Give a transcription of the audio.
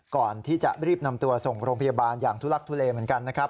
ก่อนที่จะรีบนำตัวส่งโรงพยาบาลอย่างทุลักทุเลเหมือนกันนะครับ